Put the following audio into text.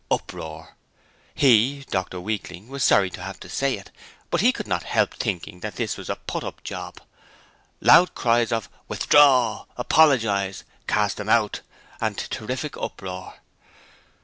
(Uproar.) He (Dr Weakling) was sorry to have to say it, but he could not help thinking that this was a Put up job. (Loud cries of 'Withdraw' 'Apologize' 'Cast 'im out' and terrific uproar.)